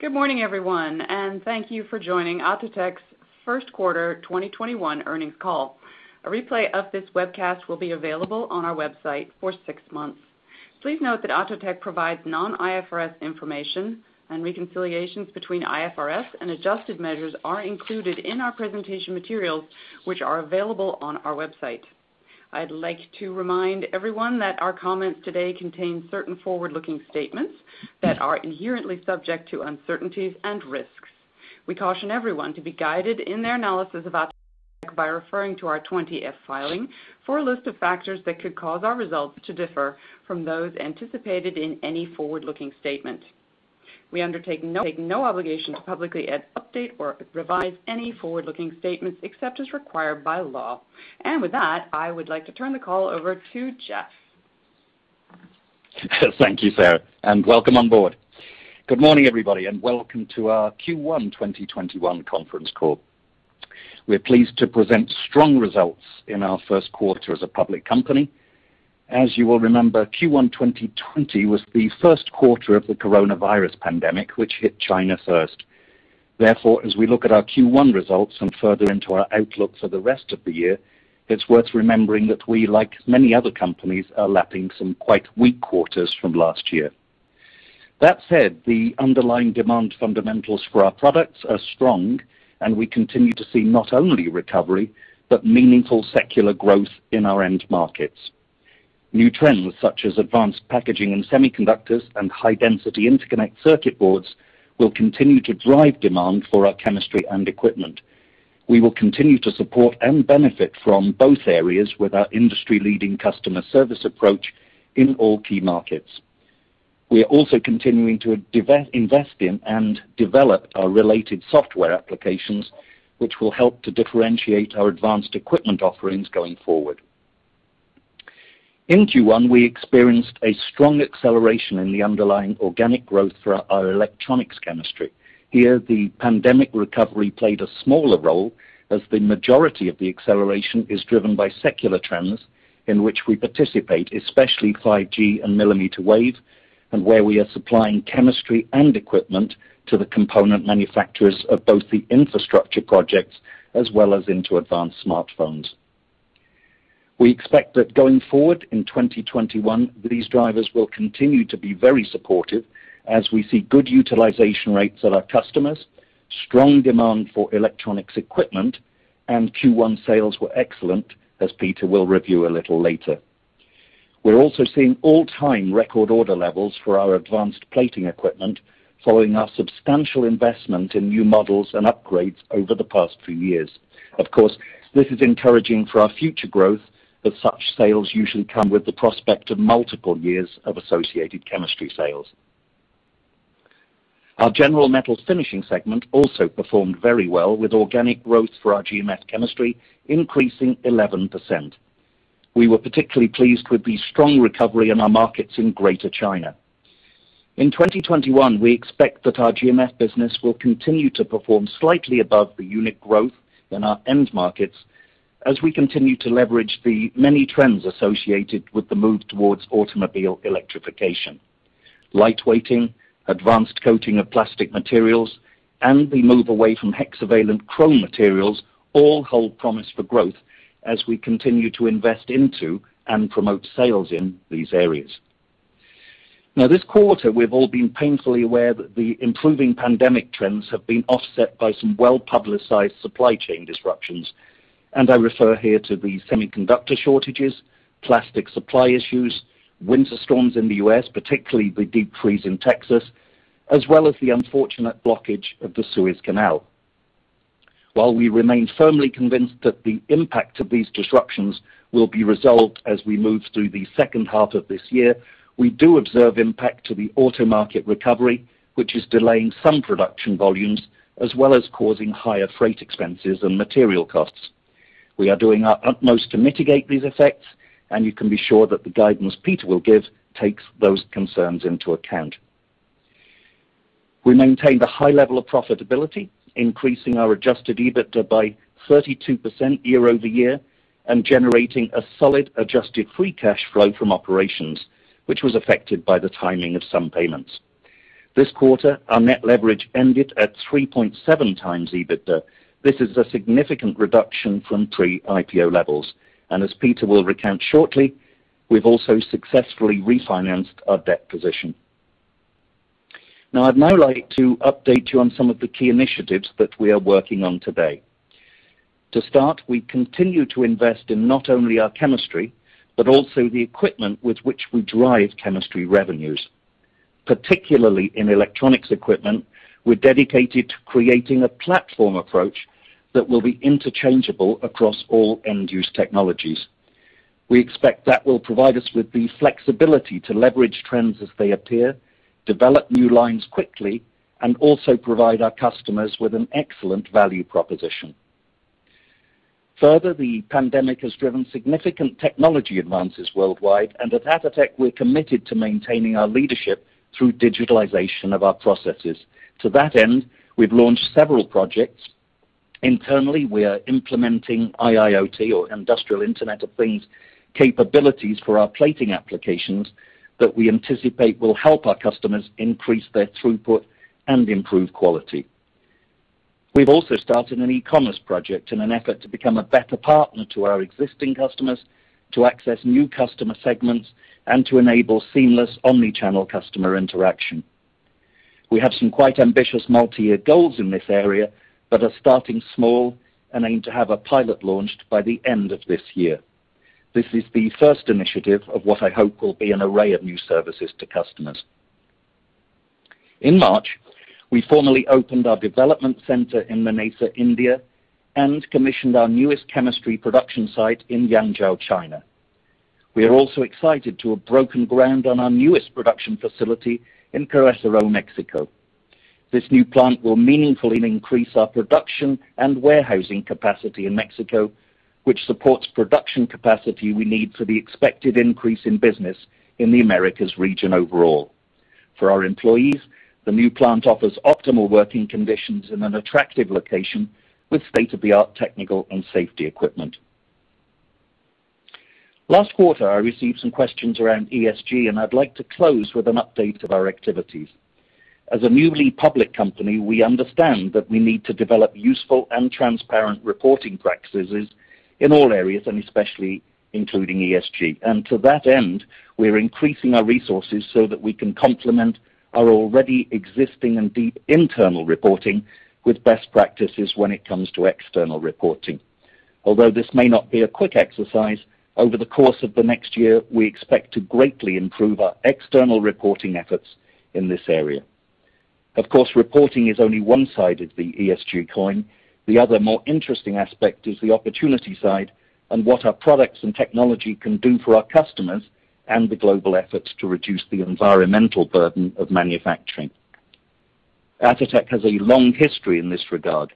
Good morning, everyone, and thank you for joining Atotech's First Quarter 2021 Earnings Call. A replay of this webcast will be available on our website for six months. Please note that Atotech provides non-IFRS information, and reconciliations between IFRS and adjusted measures are included in our presentation materials, which are available on our website. I'd like to remind everyone that our comments today contain certain forward-looking statements that are inherently subject to uncertainties and risks. We caution everyone to be guided in their analysis of Atotech by referring to our 20-F filing for a list of factors that could cause our results to differ from those anticipated in any forward-looking statement. We undertake no obligation to publicly update or revise any forward-looking statements except as required by law. And with that, I would like to turn the call over to Geoff. Thank you, Sarah, and welcome on board. Good morning, everybody, and welcome to our Q1 2021 conference call. We're pleased to present strong results in our first quarter as a public company. As you will remember, Q1 2020 was the first quarter of the coronavirus pandemic, which hit China first. As we look at our Q1 results and further into our outlook for the rest of the year, it's worth remembering that we, like many other companies, are lapping some quite weak quarters from last year. That said, the underlying demand fundamentals for our products are strong, and we continue to see not only recovery, but meaningful secular growth in our end markets. New trends such as advanced packaging in semiconductors and high-density interconnect circuit boards will continue to drive demand for our chemistry and equipment. We will continue to support and benefit from both areas with our industry-leading customer service approach in all key markets. We are also continuing to invest in and develop our related software applications, which will help to differentiate our advanced equipment offerings going forward. In Q1, we experienced a strong acceleration in the underlying organic growth for our electronics chemistry. Here, the pandemic recovery played a smaller role, as the majority of the acceleration is driven by secular trends in which we participate, especially 5G and millimeter wave, and where we are supplying chemistry and equipment to the component manufacturers of both the infrastructure projects as well as into advanced smartphones. We expect that going forward in 2021, these drivers will continue to be very supportive as we see good utilization rates at our customers, strong demand for electronics equipment, and Q1 sales were excellent, as Peter will review a little later. We're also seeing all-time record order levels for our advanced plating equipment following our substantial investment in new models and upgrades over the past few years. Of course, this is encouraging for our future growth, but such sales usually come with the prospect of multiple years of associated chemistry sales. Our general metal finishing segment also performed very well, with organic growth for our GMF chemistry increasing 11%. We were particularly pleased with the strong recovery in our markets in Greater China. In 2021, we expect that our GMF business will continue to perform slightly above the unit growth in our end markets as we continue to leverage the many trends associated with the move towards automobile electrification. Light-weighting, advanced coating of plastic materials, and the move away from hexavalent chromium materials all hold promise for growth as we continue to invest into and promote sales in these areas. This quarter, we've all been painfully aware that the improving pandemic trends have been offset by some well-publicized supply chain disruptions, and I refer here to the semiconductor shortages, plastic supply issues, winter storms in the U.S., particularly the deep freeze in Texas, as well as the unfortunate blockage of the Suez Canal. While we remain firmly convinced that the impact of these disruptions will be resolved as we move through the second half of this year, we do observe impact to the auto market recovery, which is delaying some production volumes, as well as causing higher freight expenses and material costs. We are doing our utmost to mitigate these effects, and you can be sure that the guidance Peter will give takes those concerns into account. We maintained a high level of profitability, increasing our adjusted EBITDA by 32% year-over-year, and generating a solid adjusted free cash flow from operations, which was affected by the timing of some payments. This quarter, our net leverage ended at 3.7x EBITDA. This is a significant reduction from pre-IPO levels, and as Peter will recount shortly, we've also successfully refinanced our debt position. I'd now like to update you on some of the key initiatives that we are working on today. To start, we continue to invest in not only our chemistry, but also the equipment with which we drive chemistry revenues. Particularly in electronics equipment, we're dedicated to creating a platform approach that will be interchangeable across all end-use technologies. We expect that will provide us with the flexibility to leverage trends as they appear, develop new lines quickly, and also provide our customers with an excellent value proposition. Further, the pandemic has driven significant technology advances worldwide, and at Atotech, we're committed to maintaining our leadership through digitalization of our processes. To that end, we've launched several projects. Internally, we are implementing IIoT or Industrial Internet of Things capabilities for our plating applications that we anticipate will help our customers increase their throughput and improve quality. We've also started an e-commerce project in an effort to become a better partner to our existing customers, to access new customer segments, and to enable seamless omni-channel customer interaction. We have some quite ambitious multi-year goals in this area, but are starting small and aim to have a pilot launched by the end of this year. This is the first initiative of what I hope will be an array of new services to customers. In March, we formally opened our development center in Manesar, India, and commissioned our newest chemistry production site in Yangzhou, China. We are also excited to have broken ground on our newest production facility in Querétaro, Mexico. This new plant will meaningfully increase our production and warehousing capacity in Mexico, which supports production capacity we need for the expected increase in business in the Americas region overall. For our employees, the new plant offers optimal working conditions in an attractive location with state-of-the-art technical and safety equipment. Last quarter, I received some questions around ESG. I'd like to close with an update of our activities. As a newly public company, we understand that we need to develop useful and transparent reporting practices in all areas, and especially including ESG. To that end, we're increasing our resources so that we can complement our already existing and deep internal reporting with best practices when it comes to external reporting. Although this may not be a quick exercise, over the course of the next year, we expect to greatly improve our external reporting efforts in this area. Of course, reporting is only one side of the ESG coin. The other more interesting aspect is the opportunity side and what our products and technology can do for our customers and the global efforts to reduce the environmental burden of manufacturing. Atotech has a long history in this regard.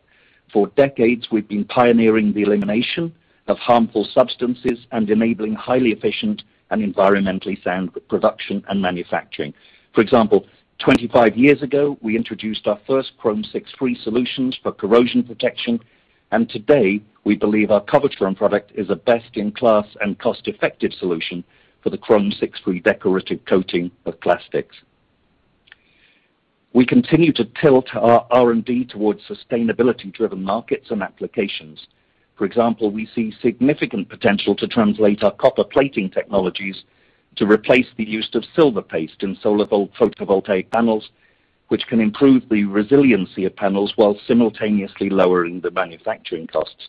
For decades, we've been pioneering the elimination of harmful substances and enabling highly efficient and environmentally sound production and manufacturing. For example, 25 years ago, we introduced our first chrome-6-free solutions for corrosion protection, and today, we believe our Covertron product is a best-in-class and cost-effective solution for the chrome-6-free decorative coating of plastics. We continue to tilt our R&D towards sustainability-driven markets and applications. For example, we see significant potential to translate our copper plating technologies to replace the use of silver paste in solar photovoltaic panels, which can improve the resiliency of panels while simultaneously lowering the manufacturing costs.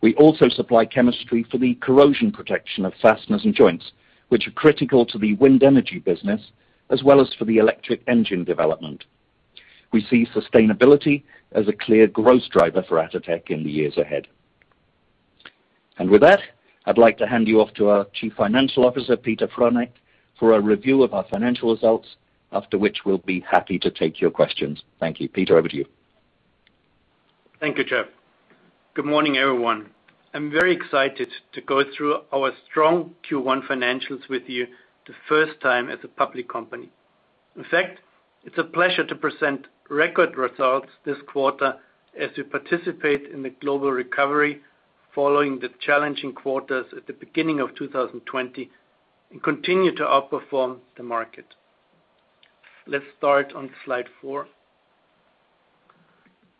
We also supply chemistry for the corrosion protection of fasteners and joints, which are critical to the wind energy business, as well as for the electric engine development. We see sustainability as a clear growth driver for Atotech in the years ahead. With that, I'd like to hand you off to our Chief Financial Officer, Peter Frauenknecht, for a review of our financial results, after which we'll be happy to take your questions. Thank you. Peter, over to you. Thank you, Geoff. Good morning, everyone. I'm very excited to go through our strong Q1 financials with you, the first time as a public company. It's a pleasure to present record results this quarter as we participate in the global recovery following the challenging quarters at the beginning of 2020 and continue to outperform the market. Let's start on slide four.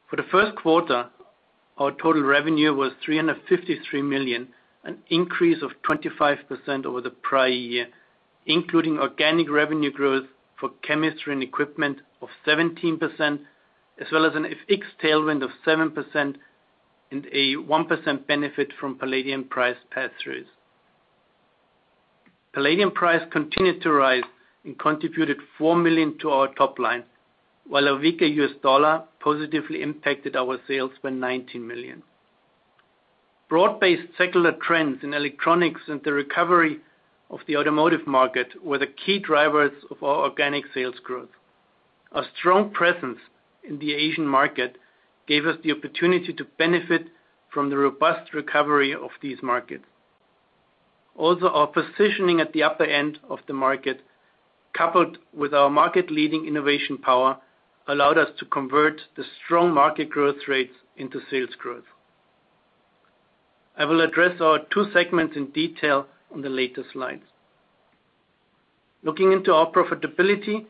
For the first quarter, our total revenue was $353 million, an increase of 25% over the prior year, including organic revenue growth for chemistry and equipment of 17%, as well as an FX tailwind of 7% and a 1% benefit from palladium price pass-throughs. Palladium price continued to rise and contributed $4 million to our top line, while a weaker U.S. dollar positively impacted our sales by $19 million. Broad-based secular trends in electronics and the recovery of the automotive market were the key drivers of our organic sales growth. Our strong presence in the Asian market gave us the opportunity to benefit from the robust recovery of these markets. Our positioning at the upper end of the market, coupled with our market-leading innovation power, allowed us to convert the strong market growth rates into sales growth. I will address our two segments in detail on the later slides. Looking into our profitability, we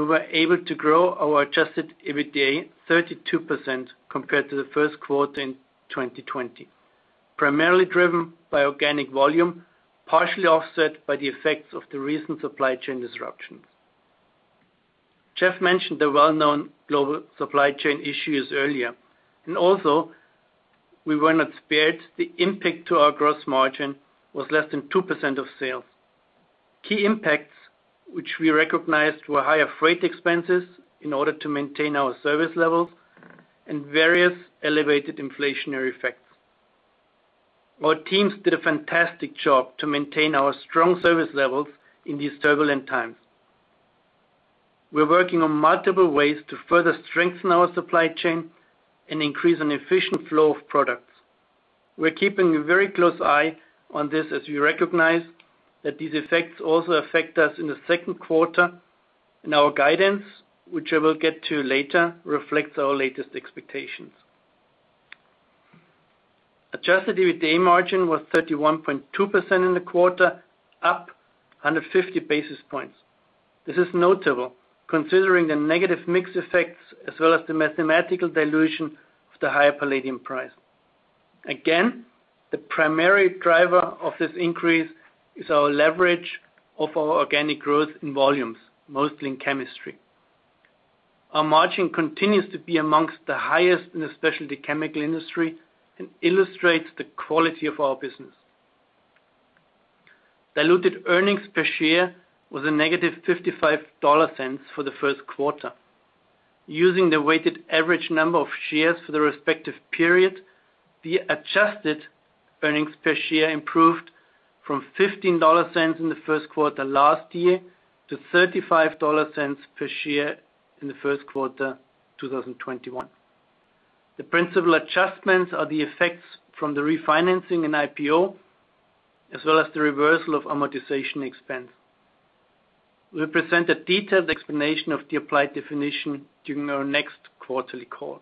were able to grow our adjusted EBITDA 32% compared to the first quarter in 2020, primarily driven by organic volume, partially offset by the effects of the recent supply chain disruptions. Geoff mentioned the well-known global supply chain issues earlier, we were not spared. The impact to our gross margin was less than 2% of sales. Key impacts which we recognized were higher freight expenses in order to maintain our service levels and various elevated inflationary effects. Our teams did a fantastic job to maintain our strong service levels in these turbulent times. We're working on multiple ways to further strengthen our supply chain and increase an efficient flow of product. We're keeping a very close eye on this as we recognize that these effects also affect us in the second quarter, and our guidance, which I will get to later, reflects our latest expectations. Adjusted EBITDA margin was 31.2% in the quarter, up 150 basis points. This is notable considering the negative mix effects as well as the mathematical dilution of the higher palladium price. The primary driver of this increase is our leverage of our organic growth in volumes, mostly in chemistry. Our margin continues to be amongst the highest in the specialty chemical industry and illustrates the quality of our business. Diluted earnings per share was a negative $0.55 for the first quarter. Using the weighted average number of shares for the respective period, the adjusted earnings per share improved from $0.15 in the first quarter last year to $0.35 per share in the first quarter 2021. The principal adjustments are the effects from the refinancing and IPO, as well as the reversal of amortization expense. We'll present a detailed explanation of the applied definition during our next quarterly call.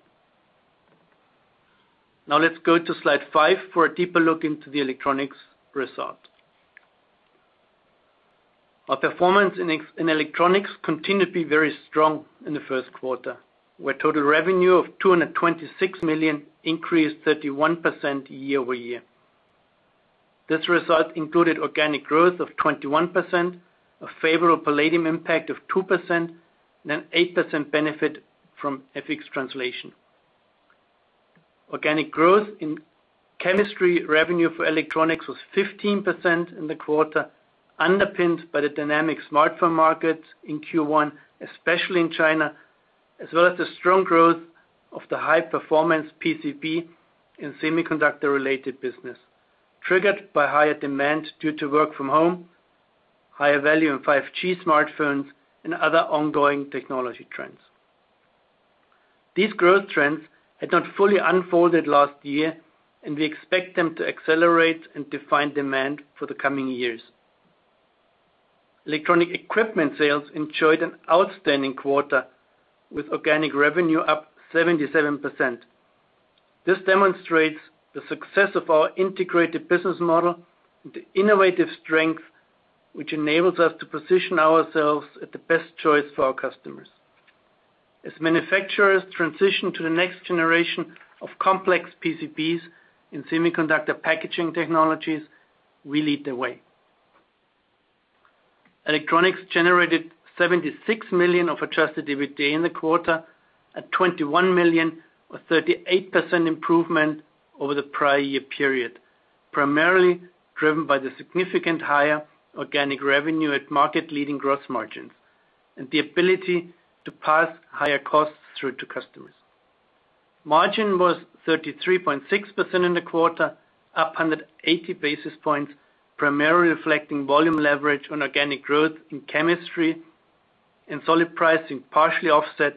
Now let's go to slide five for a deeper look into the electronics result. Our performance in electronics continued to be very strong in the first quarter, where total revenue of $226 million increased 31% year-over-year. This result included organic growth of 21%, a favorable palladium impact of 2%, and an 8% benefit from FX translation. Organic growth in chemistry revenue for electronics was 15% in the quarter, underpinned by the dynamic smartphone markets in Q1, especially in China, as well as the strong growth of the high-performance PCB in semiconductor-related business, triggered by higher demand due to work from home, higher value in 5G smartphones, and other ongoing technology trends. These growth trends had not fully unfolded last year, and we expect them to accelerate and define demand for the coming years. Electronic equipment sales enjoyed an outstanding quarter, with organic revenue up 77%. This demonstrates the success of our integrated business model and the innovative strength, which enables us to position ourselves at the best choice for our customers. As manufacturers transition to the next generation of complex PCBs in semiconductor packaging technologies, we lead the way. Electronics generated $76 million of adjusted EBITDA in the quarter at $21 million or 38% improvement over the prior year period, primarily driven by the significant higher organic revenue at market-leading gross margins and the ability to pass higher costs through to customers. Margin was 33.6% in the quarter, up 180 basis points, primarily reflecting volume leverage on organic growth in chemistry and solid pricing partially offset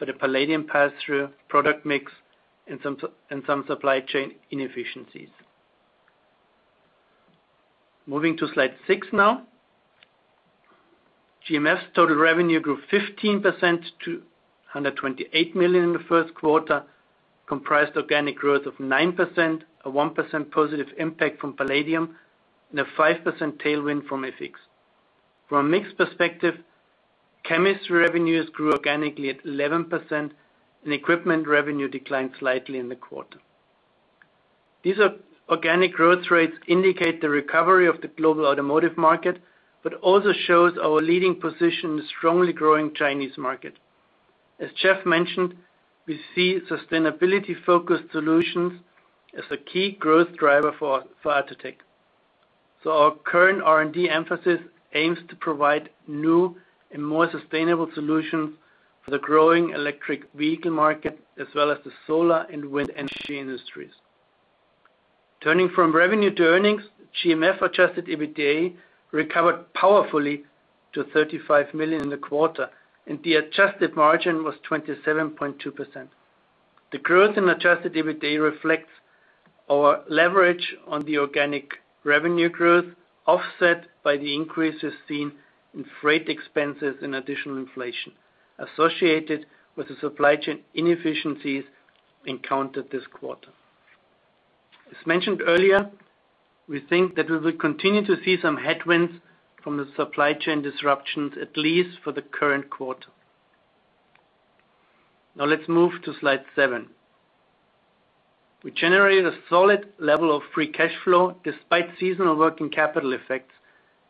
by the palladium pass-through product mix and some supply chain inefficiencies. Moving to slide six now. GMF's total revenue grew 15% to $128 million in the first quarter, comprised organic growth of 9%, a 1% positive impact from palladium, and a 5% tailwind from FX. From a mix perspective, chemistry revenues grew organically at 11%, and equipment revenue declined slightly in the quarter. These organic growth rates indicate the recovery of the global automotive market, also shows our leading position in the strongly growing Chinese market. As Geoff mentioned, we see sustainability-focused solutions as a key growth driver for Atotech. Our current R&D emphasis aims to provide new and more sustainable solutions for the growing electric vehicle market, as well as the solar and wind energy industries. Turning from revenue to earnings, GMF-adjusted EBITDA recovered powerfully to $35 million in the quarter, the adjusted margin was 27.2%. The growth in adjusted EBITDA reflects our leverage on the organic revenue growth, offset by the increases seen in freight expenses and additional inflation associated with the supply chain inefficiencies encountered this quarter. As mentioned earlier, we think that we will continue to see some headwinds from the supply chain disruptions, at least for the current quarter. Let's move to slide seven. We generated a solid level of free cash flow despite seasonal working capital effects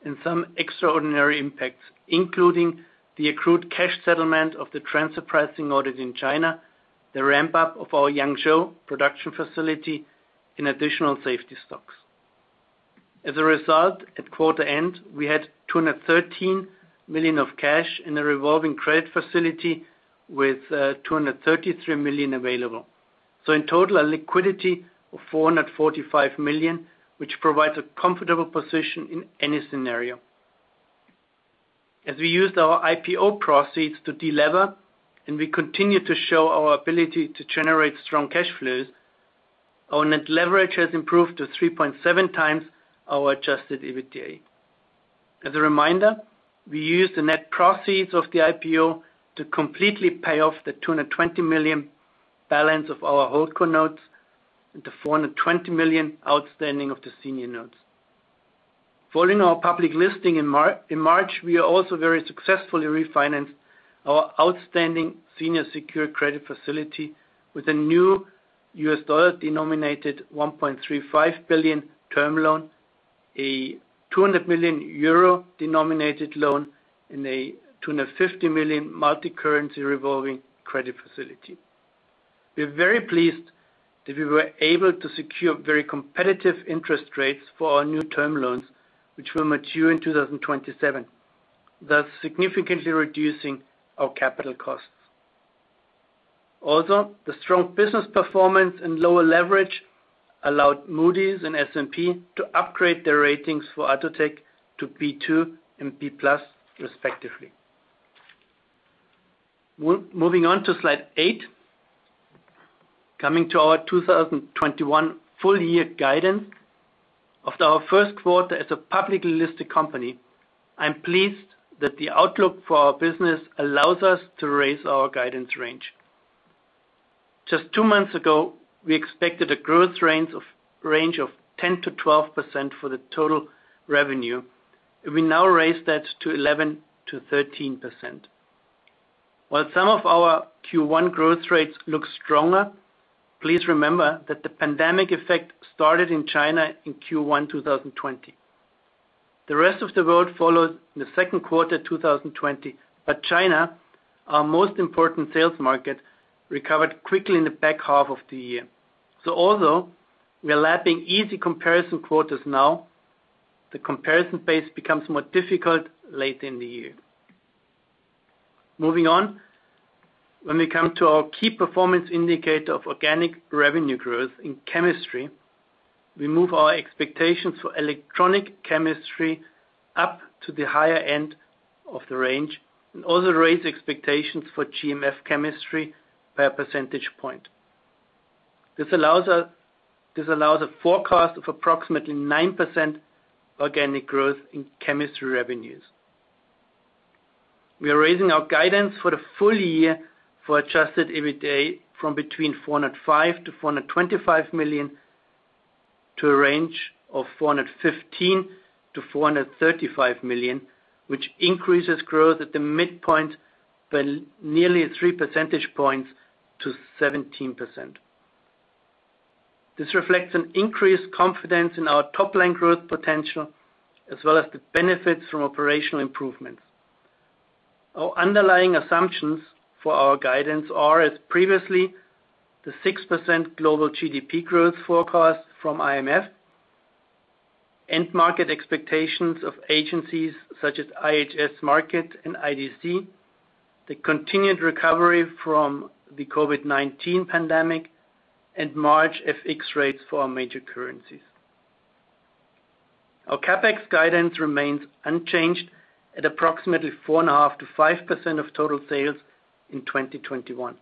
and some extraordinary impacts, including the accrued cash settlement of the transfer pricing audit in China, the ramp-up of our Yangzhou production facility, and additional safety stocks. As a result, at quarter end, we had $213 million of cash in the revolving credit facility with $233 million available. In total, a liquidity of $445 million, which provides a comfortable position in any scenario. As we used our IPO proceeds to delever, and we continue to show our ability to generate strong cash flows, our net leverage has improved to 3.7x our adjusted EBITDA. As a reminder, we used the net proceeds of the IPO to completely pay off the $220 million balance of our holdco notes and the $420 million outstanding of the senior notes. Following our public listing in March, we are also very successfully refinanced our outstanding senior secured credit facility with a new U.S. dollar-denominated $1.35 billion term loan, a 200 million euro-denominated loan, and a $250 million multicurrency revolving credit facility. We're very pleased that we were able to secure very competitive interest rates for our new term loans, which will mature in 2027, thus significantly reducing our capital costs. Also, the strong business performance and lower leverage allowed Moody's and S&P to upgrade their ratings for Atotech to B2 and B+ respectively. Moving on to slide eight, coming to our 2021 full-year guidance. After our first quarter as a publicly listed company, I'm pleased that the outlook for our business allows us to raise our guidance range. Just two months ago, we expected a growth range of 10%-12% for the total revenue. We now raise that to 11%-13%. While some of our Q1 growth rates look stronger, please remember that the pandemic effect started in China in Q1 2020. The rest of the world followed in the second quarter 2020, but China, our most important sales market, recovered quickly in the back half of the year. Although we are lapping easy comparison quarters now, the comparison base becomes more difficult late in the year. Moving on, when we come to our key performance indicator of organic revenue growth in chemistry, we move our expectations for electronic chemistry up to the higher end of the range and also raise expectations for GMF chemistry per percentage point. This allows a forecast of approximately 9% organic growth in chemistry revenues. We are raising our guidance for the full year for adjusted EBITDA from between $405 million-$425 million to a range of $415 million-$435 million, which increases growth at the midpoint by nearly three percentage points to 17%. This reflects an increased confidence in our top-line growth potential, as well as the benefits from operational improvements. Our underlying assumptions for our guidance are, as previously, the 6% global GDP growth forecast from IMF, end market expectations of agencies such as IHS Markit and IDC, the continued recovery from the COVID-19 pandemic, and March FX rates for our major currencies. Our CapEx guidance remains unchanged at approximately 4.5%-5% of total sales in 2021,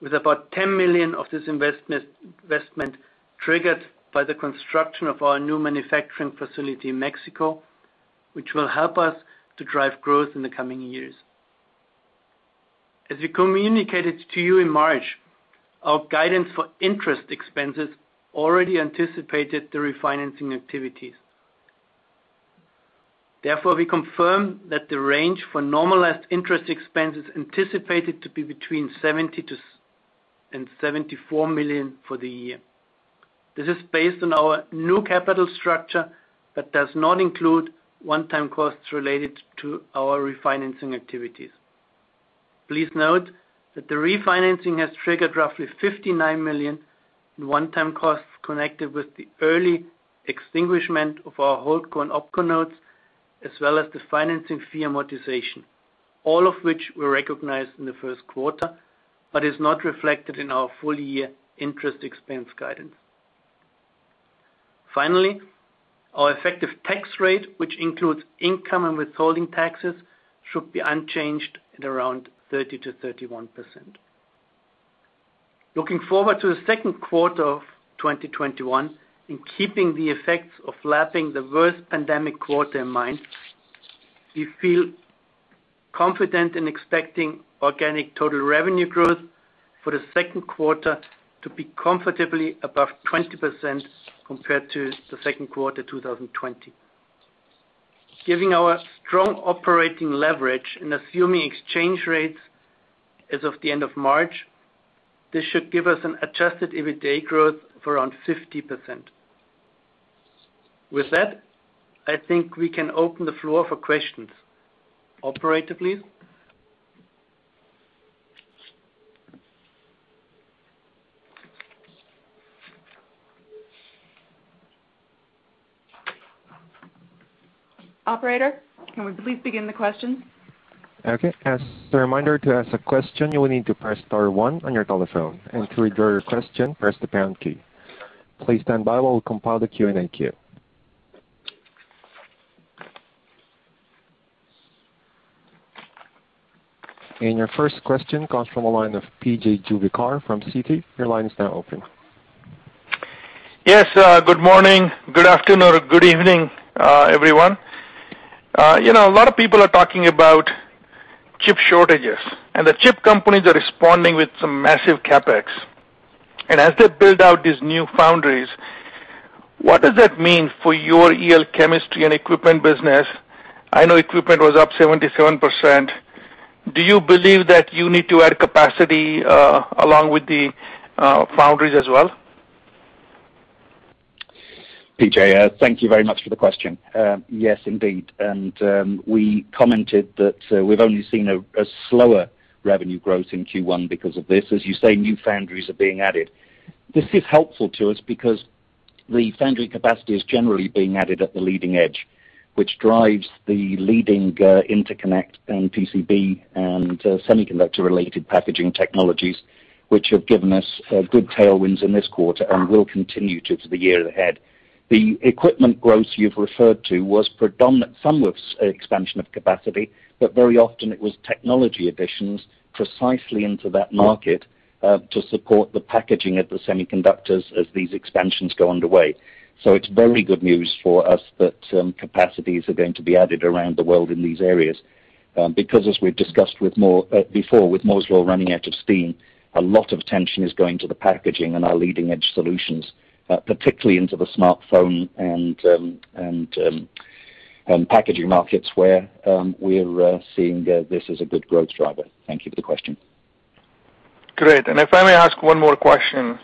with about $10 million of this investment triggered by the construction of our new manufacturing facility in Mexico, which will help us to drive growth in the coming years. As we communicated to you in March, our guidance for interest expenses already anticipated the refinancing activities. We confirm that the range for normalized interest expense is anticipated to be between $70 million and $74 million for the year. This is based on our new capital structure but does not include one-time costs related to our refinancing activities. Please note that the refinancing has triggered roughly $59 million in one-time costs connected with the early extinguishment of our holdco and OpCo notes, as well as the financing fee amortization, all of which were recognized in the first quarter but is not reflected in our full-year interest expense guidance. Our effective tax rate, which includes income and withholding taxes, should be unchanged at around 30%-31%. Looking forward to the second quarter of 2021 and keeping the effects of lapping the worst pandemic quarter in mind, we feel confident in expecting organic total revenue growth for the second quarter to be comfortably above 20% compared to the second quarter 2020. Given our strong operating leverage and assuming exchange rates as of the end of March, this should give us an adjusted EBITDA growth of around 50%. With that, I think we can open the floor for questions. Operator, please. Operator, can we please begin the questions? Okay. As a reminder, to ask a question, you will need to press star one on your telephone. To withdraw your question, press the pound key. Please stand by while we compile the Q&A queue. Your first question comes from the line of P.J. Juvekar from Citi. Your line is now open. Yes. Good morning, good afternoon, or good evening, everyone. A lot of people are talking about chip shortages, the chip companies are responding with some massive CapEx. As they build out these new foundries, what does that mean for your EL chemistry and equipment business? I know equipment was up 77%. Do you believe that you need to add capacity, along with the foundries as well? P.J., thank you very much for the question. Yes, indeed. We commented that we've only seen a slower revenue growth in Q1 because of this. As you say, new foundries are being added. This is helpful to us because the foundry capacity is generally being added at the leading edge, which drives the leading interconnect in PCB and semiconductor-related packaging technologies, which have given us good tailwinds in this quarter and will continue to the year ahead. The equipment growth you've referred to was predominant. Some was expansion of capacity, very often it was technology additions precisely into that market, to support the packaging of the semiconductors as these expansions go underway. It's very good news for us that capacities are going to be added around the world in these areas, because as we've discussed before with Moore's Law running out of steam, a lot of attention is going to the packaging and our leading-edge solutions, particularly into the smartphone and packaging markets where we're seeing this as a good growth driver. Thank you for the question. Great. If I may ask one more question.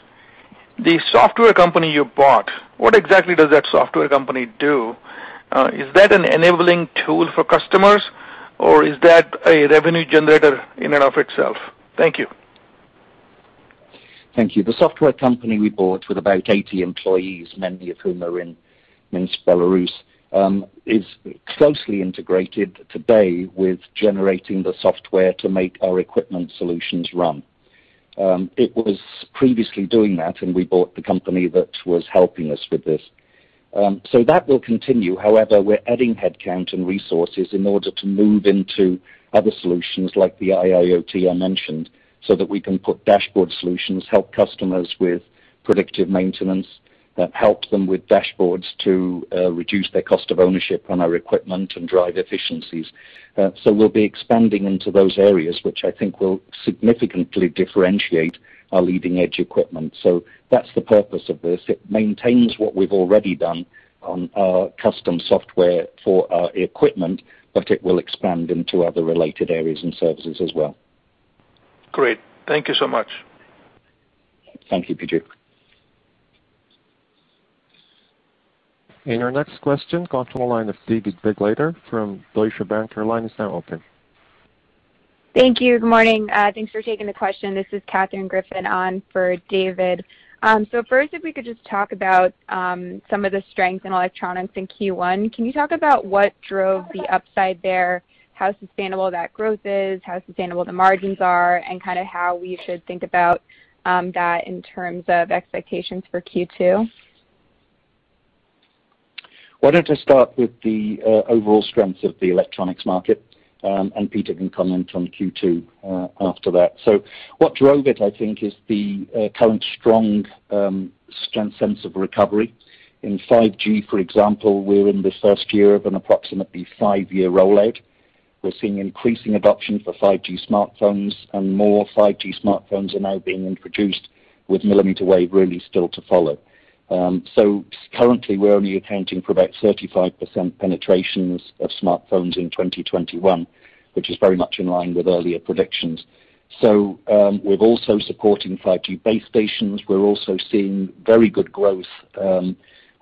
The software company you bought, what exactly does that software company do? Is that an enabling tool for customers, or is that a revenue generator in and of itself? Thank you. Thank you. The software company we bought with about 80 employees, many of whom are in Minsk, Belarus, is closely integrated today with generating the software to make our equipment solutions run. It was previously doing that, and we bought the company that was helping us with this. That will continue. However, we're adding headcount and resources in order to move into other solutions like the IIoT I mentioned, so that we can put dashboard solutions, help customers with predictive maintenance, help them with dashboards to reduce their cost of ownership on our equipment and drive efficiencies. We'll be expanding into those areas, which I think will significantly differentiate our leading-edge equipment. That's the purpose of this. It maintains what we've already done on our custom software for our equipment, but it will expand into other related areas and services as well. Great. Thank you so much. Thank you, P.J. Our next question comes from the line of David Begleiter from Deutsche Bank. Your line is now open. Thank you. Good morning. Thanks for taking the question. This is Katherine Griffin on for David. First, if we could just talk about some of the strength in electronics in Q1. Can you talk about what drove the upside there, how sustainable that growth is, how sustainable the margins are, and kind of how we should think about that in terms of expectations for Q2? Why don't I start with the overall strength of the electronics market? Peter can comment on Q2 after that. What drove it, I think, is the current strong sense of recovery. In 5G, for example, we're in the first year of an approximately five-year rollout. We're seeing increasing adoption for 5G smartphones, more 5G smartphones are now being introduced, with millimeter wave really still to follow. Currently, we're only accounting for about 35% penetrations of smartphones in 2021, which is very much in line with earlier predictions. We're also supporting 5G base stations. We're also seeing very good growth.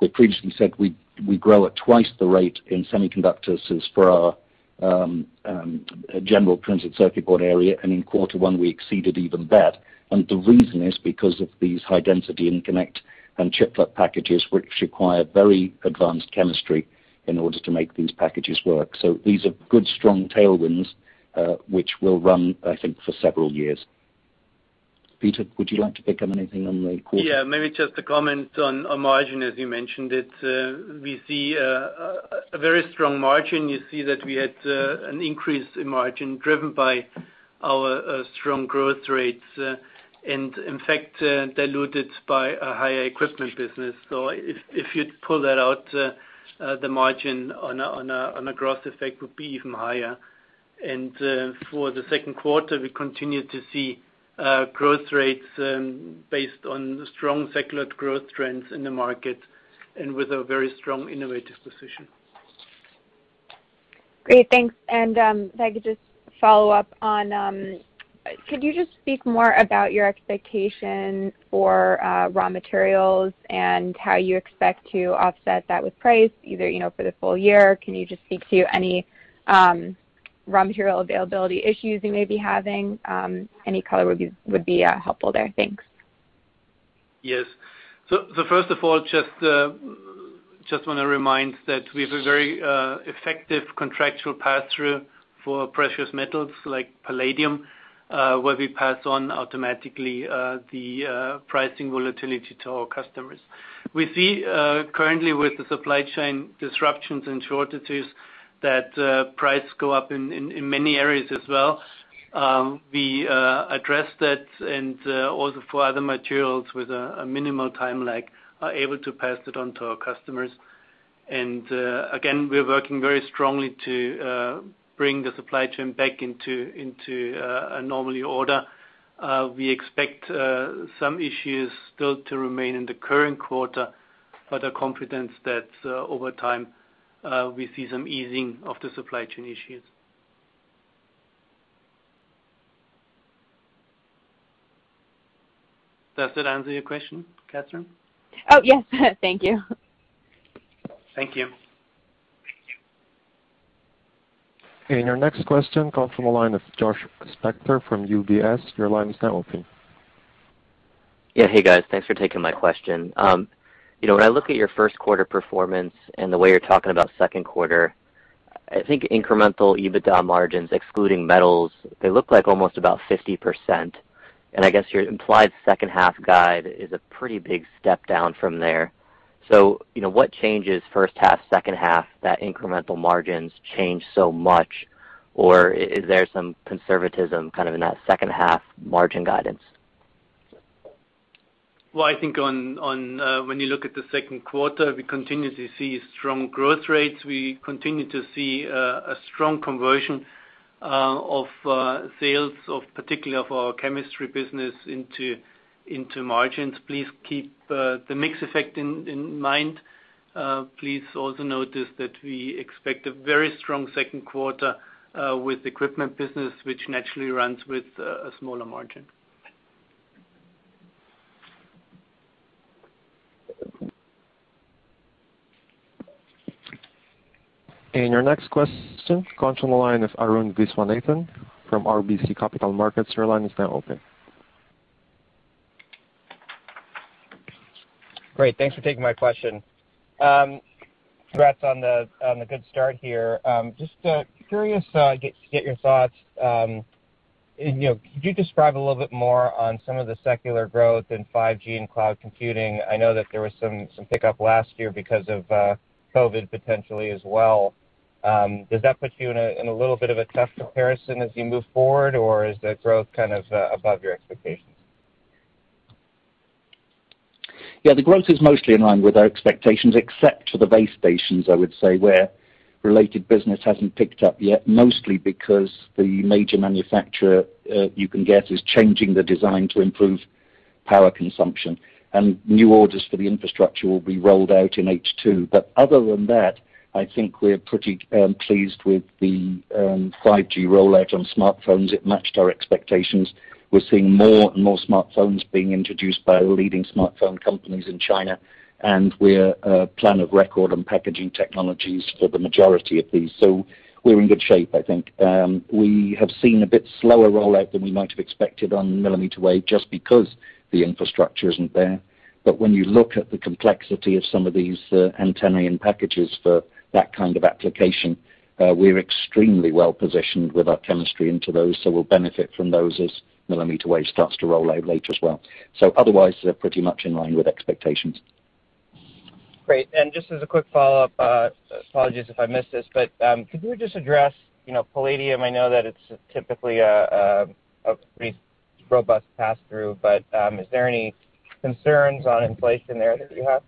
We previously said we grow at twice the rate in semiconductors as for our general printed circuit board area, in quarter one, we exceeded even that. The reason is because of these high-density interconnect and chiplet packages, which require very advanced chemistry in order to make these packages work. These are good, strong tailwinds, which will run, I think, for several years. Peter, would you like to pick up anything on the quarter? Yeah, maybe just to comment on margin, as you mentioned it. We see a very strong margin. You see that we had an increase in margin driven by our strong growth rates. In fact, diluted by a higher equipment business. If you pull that out, the margin on a growth effect would be even higher. For the second quarter, we continue to see growth rates based on strong secular growth trends in the market and with a very strong innovative position. Great. Thanks. If I could just follow up on, could you just speak more about your expectation for raw materials and how you expect to offset that with price either for the full year? Can you just speak to any raw material availability issues you may be having? Any color would be helpful there. Thanks. Yes. First of all, just want to remind that we have a very effective contractual pass-through for precious metals like palladium, where we pass on automatically the pricing volatility to our customers. We see currently with the supply chain disruptions and shortages, that price go up in many areas as well. We address that and also for other materials with a minimal time lag, are able to pass it on to our customers. Again, we're working very strongly to bring the supply chain back into a normal order. We expect some issues still to remain in the current quarter, but are confident that over time, we see some easing of the supply chain issues. Does that answer your question, Katherine? Oh, yes. Thank you. Thank you. Your next question comes from the line of Josh Spector from UBS. Your line is now open. Hey, guys. Thanks for taking my question. When I look at your first quarter performance and the way you're talking about second quarter, I think incremental EBITDA margins excluding metals, they look like almost about 50%. And I guess your implied second half guide is a pretty big step down from there. What changes first half, second half, that incremental margins change so much? Or is there some conservatism kind of in that second half margin guidance? Well, I think when you look at the second quarter, we continue to see strong growth rates. We continue to see a strong conversion of sales of particular for our chemistry business into margins. Please keep the mix effect in mind. Please also notice that we expect a very strong second quarter, with equipment business, which naturally runs with a smaller margin. Your next question comes from the line of Arun Viswanathan from RBC Capital Markets. Your line is now open. Great. Thanks for taking my question. Congrats on the good start here. Just curious to get your thoughts. Could you describe a little bit more on some of the secular growth in 5G and cloud computing? I know that there was some pickup last year because of COVID-19 potentially as well. Does that put you in a little bit of a tough comparison as you move forward, or is the growth kind of above your expectations? Yeah. The growth is mostly in line with our expectations, except for the base stations, I would say, where related business hasn't picked up yet, mostly because the major manufacturer you can get is changing the design to improve power consumption, and new orders for the infrastructure will be rolled out in H2. Other than that, I think we're pretty pleased with the 5G rollout on smartphones. It matched our expectations. We're seeing more and more smartphones being introduced by leading smartphone companies in China, and we're plan of record on packaging technologies for the majority of these. We're in good shape, I think. We have seen a bit slower rollout than we might have expected on millimeter wave, just because the infrastructure isn't there. When you look at the complexity of some of these antennae end packages for that kind of application, we're extremely well-positioned with our chemistry into those. We'll benefit from those as millimeter wave starts to roll out later as well. Otherwise, they're pretty much in line with expectations. Great. Just as a quick follow-up, apologies if I missed this, could you just address palladium? I know that it's typically a pretty robust pass-through, is there any concerns on inflation there that you have?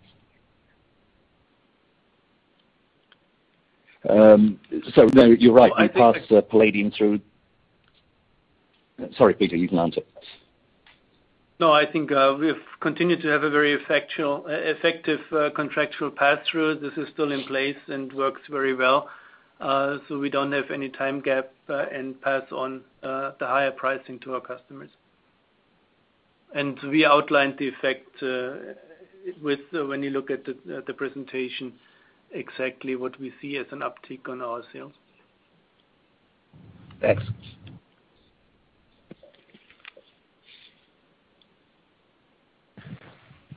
No, you're right. We pass the palladium through. Sorry, Peter, you can answer. I think, we've continued to have a very effective contractual pass-through. This is still in place and works very well. We don't have any time gap, and pass on the higher pricing to our customers. We outlined the effect, when you look at the presentation, exactly what we see as an uptick on our sales. Thanks.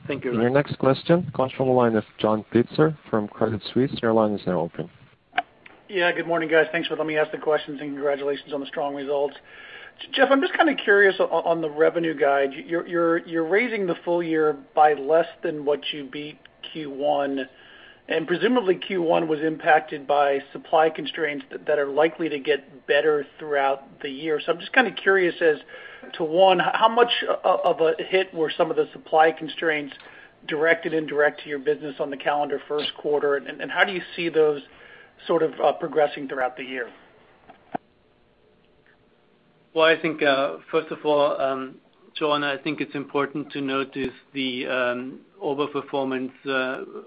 Thank you very much. Your next question comes from the line of John Pitzer from Credit Suisse. Your line is now open. Good morning, guys. Thanks for letting me ask the questions, and congratulations on the strong results. Geoff, I'm just kind of curious on the revenue guide. You're raising the full year by less than what you beat Q1. Presumably Q1 was impacted by supply constraints that are likely to get better throughout the year. I'm just kind of curious as to, one, how much of a hit were some of the supply constraints directed and direct to your business on the calendar first quarter. How do you see those sort of progressing throughout the year? Well, I think, first of all, John, I think it's important to notice the over-performance,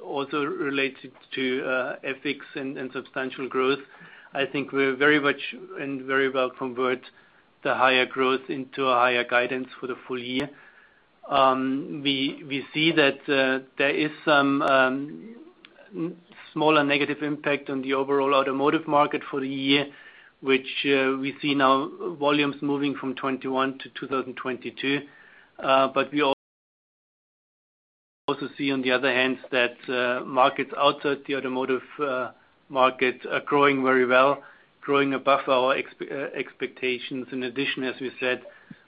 also related to FX and substantial growth. I think we're very much and very well convert the higher growth into a higher guidance for the full year. We see that there is some smaller negative impact on the overall automotive market for the year, which we see now volumes moving from 2021 to 2022. We also see on the other hand that markets outside the automotive market are growing very well, growing above our expectations. In addition, as we said,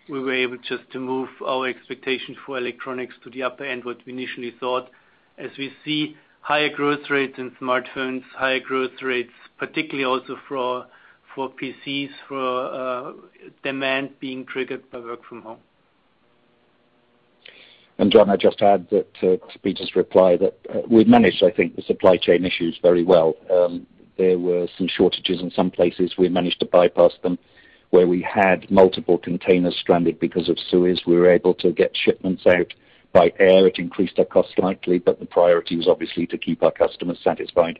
we were able just to move our expectations for electronics to the upper end what we initially thought, as we see higher growth rates in smartphones, higher growth rates particularly also for PCs, for demand being triggered by work from home. John, I just add that to Peter’s reply, that we’ve managed, I think, the supply chain issues very well. There were some shortages in some places. We managed to bypass them. Where we had multiple containers stranded because of Suez, we were able to get shipments out by air. It increased our cost slightly, but the priority was obviously to keep our customers satisfied.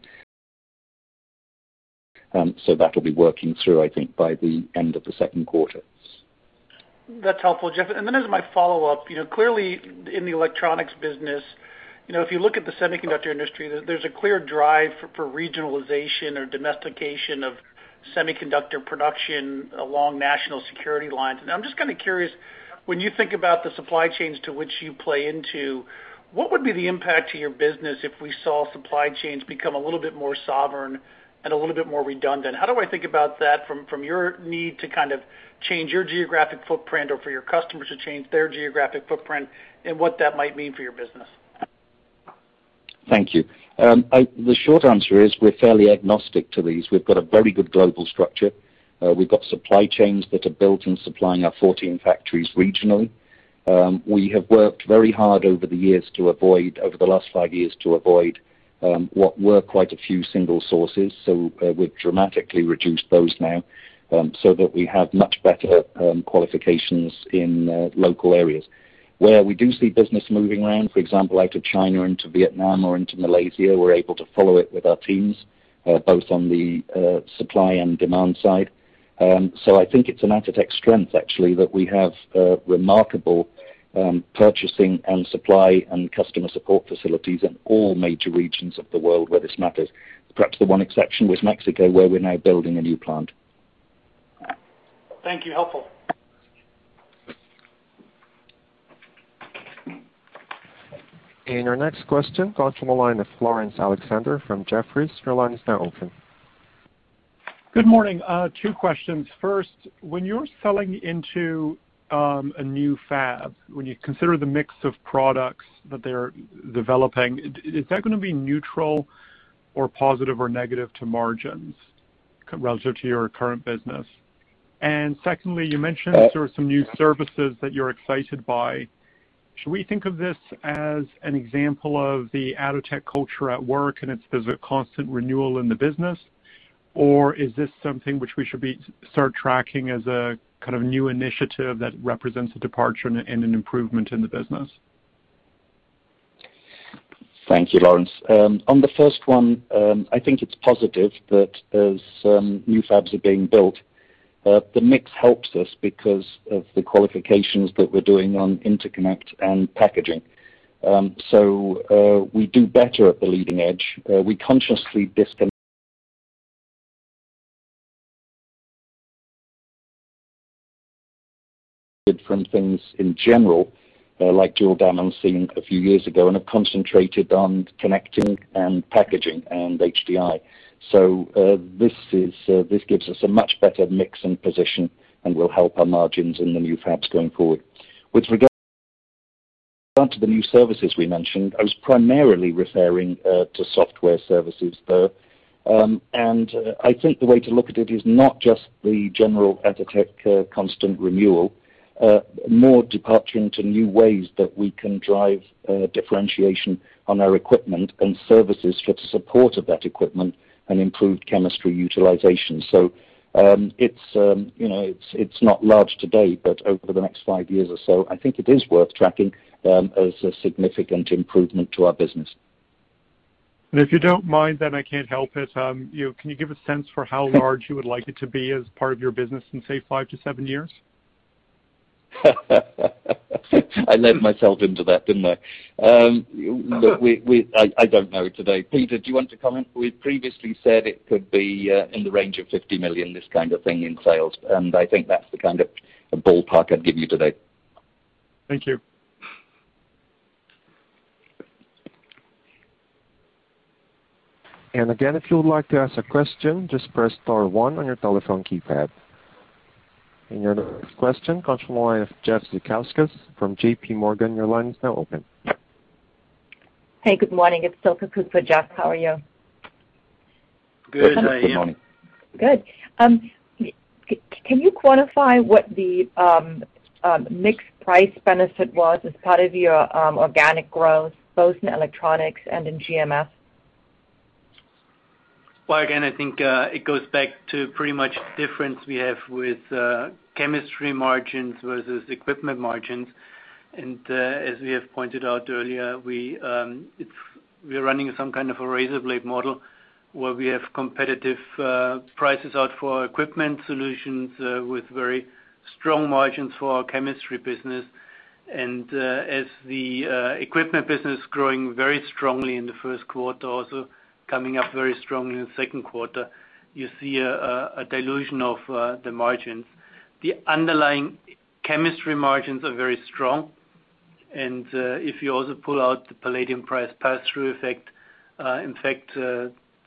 That’ll be working through, I think, by the end of the second quarter. That's helpful, Geoff. Then as my follow-up, clearly in the electronics business, if you look at the semiconductor industry, there's a clear drive for regionalization or domestication of semiconductor production along national security lines. I'm just kind of curious, when you think about the supply chains to which you play into, what would be the impact to your business if we saw supply chains become a little bit more sovereign and a little bit more redundant? How do I think about that from your need to kind of change your geographic footprint or for your customers to change their geographic footprint, and what that might mean for your business? Thank you. The short answer is we're fairly agnostic to these. We've got a very good global structure. We've got supply chains that are built in supplying our 14 factories regionally. We have worked very hard over the years to avoid, over the last five years, to avoid what were quite a few single sources. We've dramatically reduced those now, so that we have much better qualifications in local areas. Where we do see business moving around, for example, out of China into Vietnam or into Malaysia, we're able to follow it with our teams, both on the supply and demand side. I think it's an Atotech strength, actually, that we have remarkable purchasing and supply and customer support facilities in all major regions of the world where this matters. Perhaps the one exception was Mexico, where we're now building a new plant. Thank you. Helpful. Our next question comes from the line of Laurence Alexander from Jefferies. Your line is now open. Good morning. Two questions. First, when you're selling into a new fab, when you consider the mix of products that they're developing, is that going to be neutral or positive or negative to margins relative to your current business? Secondly, you mentioned there are some new services that you're excited by. Should we think of this as an example of the Atotech culture at work, and there's a constant renewal in the business? Is this something which we should start tracking as a kind of new initiative that represents a departure and an improvement in the business? Thank you, Laurence. On the first one, I think it's positive that as new fabs are being built, the mix helps us because of the qualifications that we're doing on interconnect and packaging. We do better at the leading edge. We consciously distant from things in general, like dual damascene a few years ago and have concentrated on interconnect and packaging and HDI. This gives us a much better mix and position and will help our margins in the new fabs going forward. With regard to the new services we mentioned, I was primarily referring to software services there. I think the way to look at it is not just the general Atotech constant renewal. More departure into new ways that we can drive differentiation on our equipment and services for the support of that equipment and improved chemistry utilization. It's not large today, but over the next five years or so, I think it is worth tracking as a significant improvement to our business. If you don't mind, then I can't help it. Can you give a sense for how large you would like it to be as part of your business in, say, five to seven years? I led myself into that, didn't I? I don't know today. Peter, do you want to comment? We previously said it could be in the range of $50 million, this kind of thing in sales, and I think that's the kind of ballpark I'd give you today. Thank you. Again, if you would like to ask a question, just press star one on your telephone keypad. Your next question comes from the line of Jeff Zekauskas from J.P. Morgan. Your line is now open. Hey, good morning. It's Silke Kueck for Jeff. How are you? Good morning. Good. Can you quantify what the mixed price benefit was as part of your organic growth, both in electronics and in GMF? Well, again, I think it goes back to pretty much the difference we have with chemistry margins versus equipment margins. As we have pointed out earlier, we're running some kind of a razor blade model where we have competitive prices out for equipment solutions with very strong margins for our chemistry business. As the equipment business growing very strongly in the first quarter, also coming up very strongly in the second quarter, you see a dilution of the margins. The underlying chemistry margins are very strong, and if you also pull out the palladium price pass-through effect, in fact,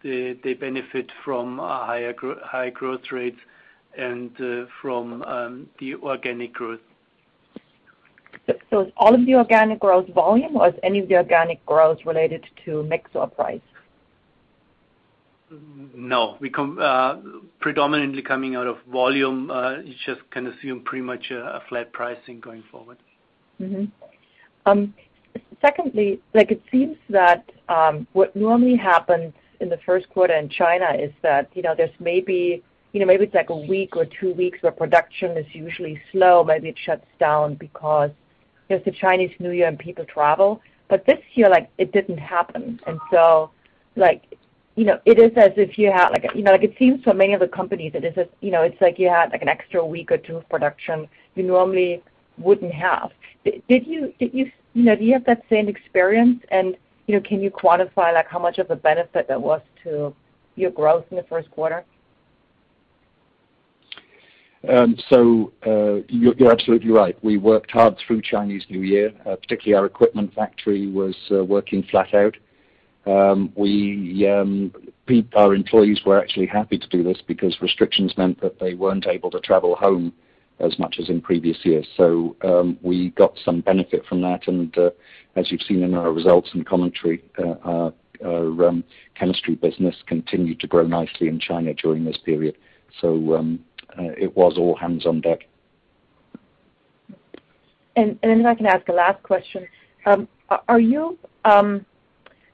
they benefit from high growth rates and from the organic growth. Is all of the organic growth volume, or is any of the organic growth related to mix or price? No. Predominantly coming out of volume. You just can assume pretty much a flat pricing going forward. Secondly, it seems that what normally happens in the first quarter in China is that, there's maybe a week or two weeks where production is usually slow. Maybe it shuts down because there's the Chinese New Year and people travel. This year, it didn't happen. It seems for many of the companies, it's like you had an extra week or two of production you normally wouldn't have. Do you have that same experience, and can you quantify how much of a benefit that was to your growth in the first quarter? You're absolutely right. We worked hard through Chinese New Year. Particularly our equipment factory was working flat out. Our employees were actually happy to do this because restrictions meant that they weren't able to travel home as much as in previous years. We got some benefit from that, and as you've seen in our results and commentary, our chemistry business continued to grow nicely in China during this period. It was all hands on deck. If I can ask a last question,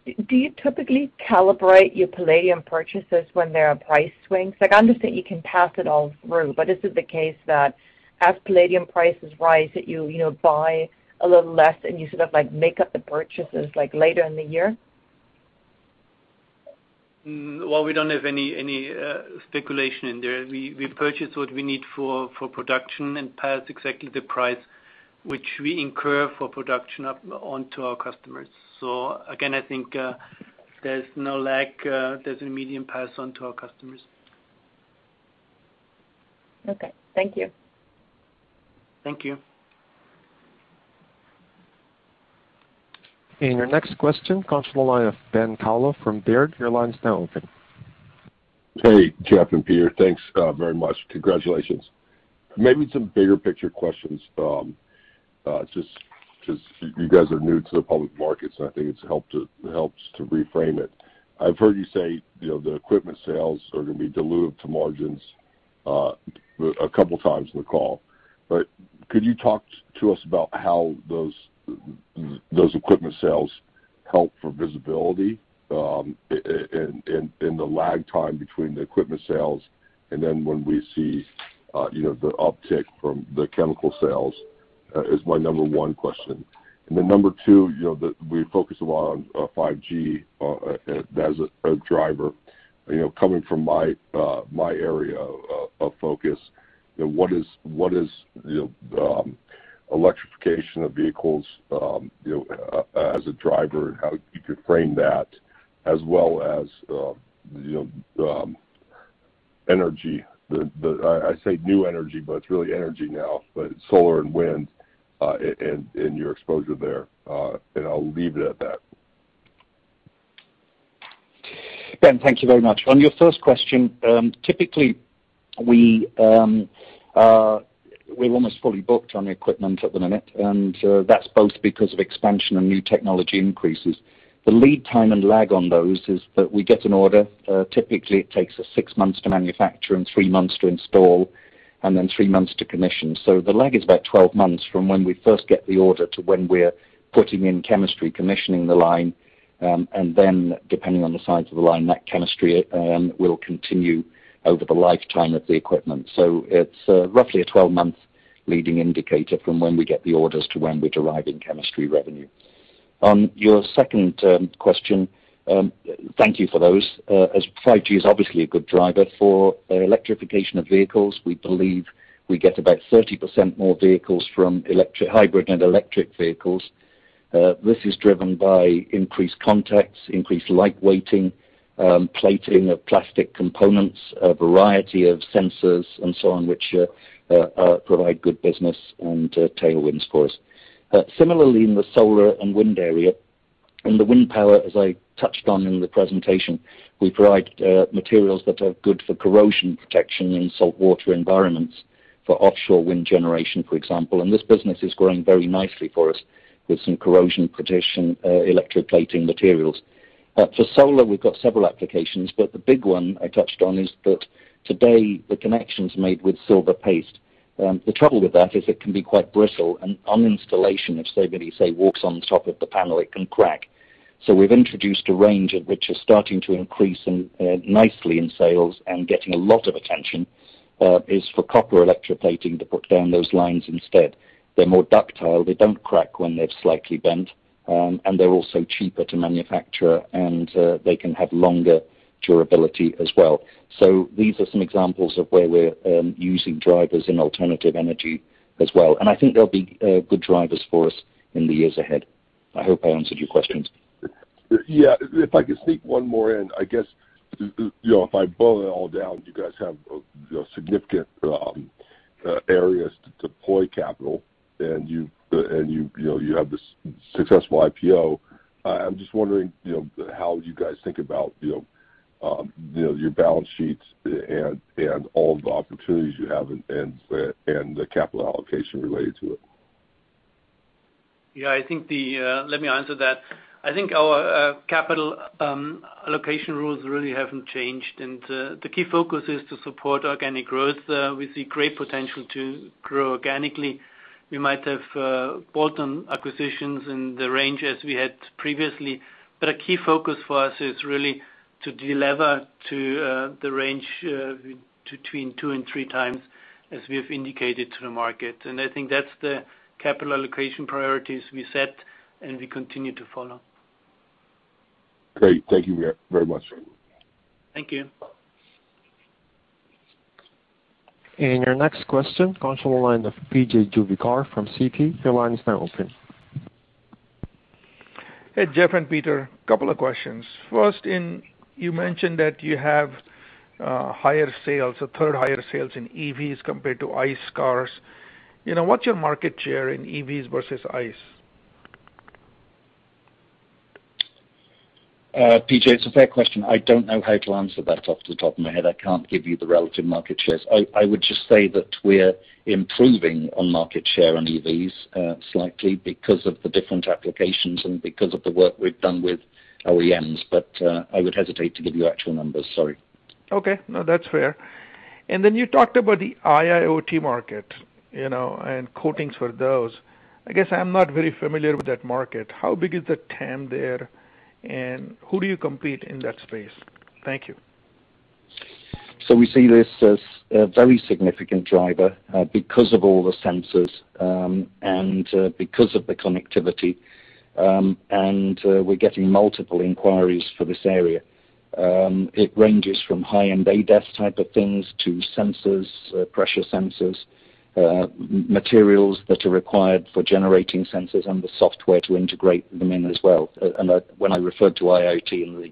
do you typically calibrate your palladium purchases when there are price swings? I understand you can pass it all through, but is it the case that as palladium prices rise, that you buy a little less and you sort of make up the purchases later in the year? Well, we don't have any speculation in there. We purchase what we need for production and pass exactly the price which we incur for production onto our customers. Again, I think there's no lag. There's an immediate pass-on to our customers. Okay. Thank you. Thank you. Your next question comes from the line of Ben Kallo from Baird. Your line is now open. Hey, Geoff and Peter. Thanks very much. Congratulations. Maybe some bigger picture questions, just because you guys are new to the public markets, and I think it helps to reframe it. I've heard you say the equipment sales are going to be dilutive to margins a couple times in the call. Could you talk to us about how those equipment sales help for visibility? The lag time between the equipment sales and then when we see the uptick from the chemical sales is my number one question. Number two, we focus a lot on 5G as a driver. Coming from my area of focus, what is the electrification of vehicles as a driver and how you could frame that, as well as energy. I say new energy, but it's really energy now, but solar and wind, and your exposure there. I'll leave it at that. Ben, thank you very much. On your first question, typically we're almost fully booked on the equipment at the minute, and that's both because of expansion and new technology increases. The lead time and lag on those is that we get an order. Typically, it takes us six months to manufacture and three months to install and then three months to commission. The lag is about 12 months from when we first get the order to when we're putting in chemistry, commissioning the line. Depending on the size of the line, that chemistry will continue over the lifetime of the equipment. It's roughly a 12-month leading indicator from when we get the orders to when we derive in chemistry revenue. On your second question, thank you for those. As 5G is obviously a good driver for electrification of vehicles, we believe we get about 30% more vehicles from hybrid and electric vehicles. This is driven by increased contacts, increased lightweighting, plating of plastic components, a variety of sensors, and so on, which provide good business and tailwinds for us. Similarly, in the solar and wind area. In the wind power, as I touched on in the presentation, we provide materials that are good for corrosion protection in saltwater environments for offshore wind generation, for example. This business is growing very nicely for us with some corrosion protection, electroplating materials. For solar, we've got several applications, but the big one I touched on is that today the connection's made with silver paste. The trouble with that is it can be quite brittle and on installation if somebody, say, walks on top of the panel, it can crack. We've introduced a range which is starting to increase nicely in sales and getting a lot of attention, is for copper electroplating to put down those lines instead. They're more ductile. They don't crack when they're slightly bent, and they're also cheaper to manufacture, and they can have longer durability as well. These are some examples of where we're using drivers in alternative energy as well, and I think they'll be good drivers for us in the years ahead. I hope I answered your questions. Yeah. If I could sneak one more in, I guess, if I boil it all down, you guys have significant areas to deploy capital and you have this successful IPO. I'm just wondering, how would you guys think about your balance sheets and all of the opportunities you have and the capital allocation related to it? Yeah. Let me answer that. I think our capital allocation rules really haven't changed, and the key focus is to support organic growth. We see great potential to grow organically. We might have bolt-on acquisitions in the range as we had previously, but a key focus for us is really to delever to the range between 2x and 3x as we have indicated to the market. I think that's the capital allocation priorities we set and we continue to follow. Great. Thank you very much. Thank you. Your next question comes from the line of P.J. Juvekar from Citi. Hey, Geoff and Peter. Couple of questions. First, you mentioned that you have higher sales, a third higher sales in EVs compared to ICE cars. What's your market share in EVs versus ICE? P.J., it's a fair question. I don't know how to answer that off the top of my head. I can't give you the relative market shares. I would just say that we're improving on market share on EVs slightly because of the different applications and because of the work we've done with OEMs. I would hesitate to give you actual numbers. Sorry. Okay. No, that's fair. Then you talked about the IIoT market, and coatings for those. I guess I'm not very familiar with that market. How big is the TAM there and who do you compete in that space? Thank you. We see this as a very significant driver because of all the sensors, and because of the connectivity. We're getting multiple inquiries for this area. It ranges from high-end ADAS type of things to sensors, pressure sensors, materials that are required for generating sensors and the software to integrate them in as well. When I referred to IoT in the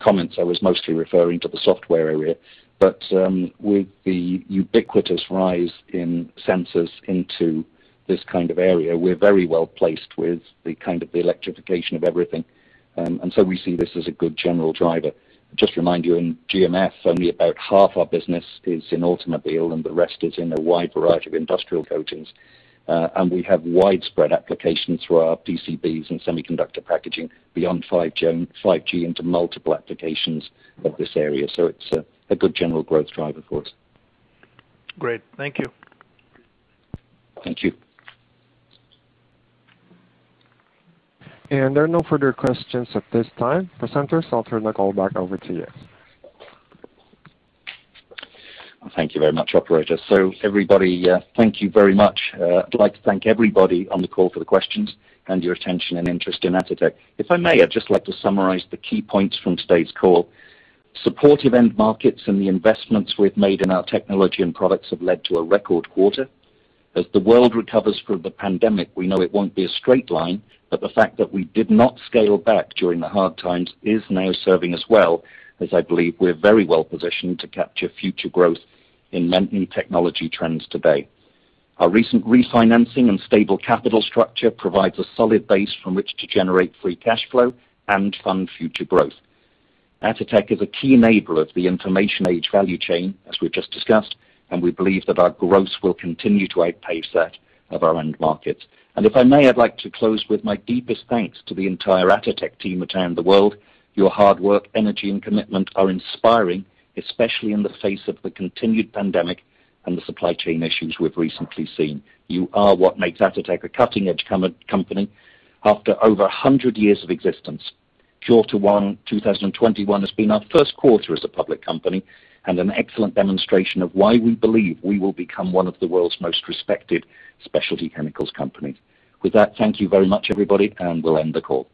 comments, I was mostly referring to the software area. With the ubiquitous rise in sensors into this kind of area, we're very well-placed with the electrification of everything. We see this as a good general driver. Just remind you, in GMF, only about half our business is in automobile, and the rest is in a wide variety of industrial coatings. We have widespread applications for our PCBs and semiconductor packaging beyond 5G into multiple applications of this area. It's a good general growth driver for us. Great. Thank you. Thank you. There are no further questions at this time. Presenters, I'll turn the call back over to you. Thank you very much, operator. Everybody, thank you very much. I'd like to thank everybody on the call for the questions and your attention and interest in Atotech. If I may, I'd just like to summarize the key points from today's call. Supportive end markets and the investments we've made in our technology and products have led to a record quarter. As the world recovers from the pandemic, we know it won't be a straight line, but the fact that we did not scale back during the hard times is now serving us well as I believe we're very well-positioned to capture future growth in many technology trends today. Our recent refinancing and stable capital structure provides a solid base from which to generate free cash flow and fund future growth. Atotech is a key enabler of the information age value chain, as we've just discussed. We believe that our growth will continue to outpace that of our end markets. If I may, I'd like to close with my deepest thanks to the entire Atotech team around the world. Your hard work, energy, and commitment are inspiring, especially in the face of the continued pandemic and the supply chain issues we've recently seen. You are what makes Atotech a cutting-edge company after over 100 years of existence. Q1 2021 has been our first quarter as a public company and an excellent demonstration of why we believe we will become one of the world's most respected specialty chemicals company. With that, thank you very much, everybody, and we'll end the call.